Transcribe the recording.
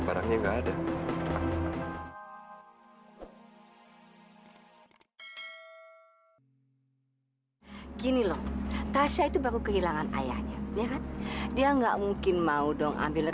barang barangnya gak ada